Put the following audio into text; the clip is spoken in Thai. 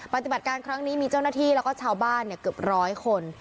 ปฏิบัติการครั้งนี้มีเจ้าหน้าที่แล้วก็ชาวบ้านเกือบร้อยคน